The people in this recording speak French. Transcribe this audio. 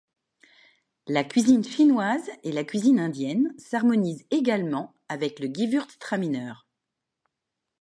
La cuisine chinoise et la cuisine indienne s’harmonisent également avec le gewurztraminer.